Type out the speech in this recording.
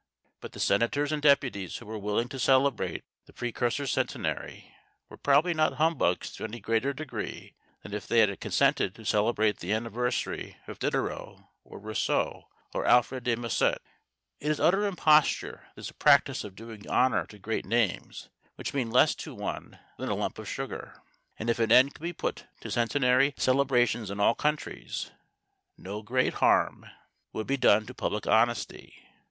But the senators and deputies who were willing to celebrate the precursor's centenary were probably not humbugs to any greater degree than if they had consented to celebrate the anniversary of Diderot or Rousseau or Alfred de Musset. It is utter imposture, this practice of doing honour to great names which mean less to one than a lump of sugar; and if an end could be put to centenary celebrations in all countries, no great harm would be done to public honesty.